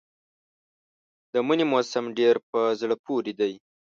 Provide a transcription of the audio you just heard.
د مني موسم ډېر په زړه پورې دی.